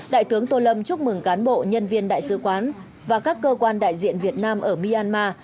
đại tướng tô lâm chúc mừng cán bộ nhân viên đại sứ quán và các cơ quan đại diện việt nam ở myanmar